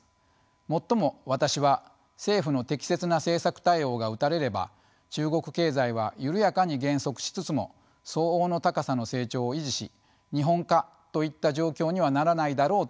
もっとも私は政府の適切な政策対応が打たれれば中国経済は緩やかに減速しつつも相応の高さの成長を維持し「日本化」といった状況にはならないだろうと見ています。